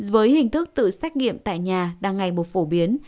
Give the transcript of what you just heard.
với hình thức tự xét nghiệm tại nhà đang ngày một phổ biến